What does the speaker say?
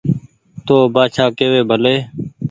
تو ن بآڇآ ڪيوي ڀلي